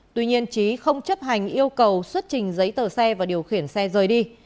tuy nhiên trí không chấp hành yêu cầu xuất trình giấy tờ xe và điều khiển xe rời đi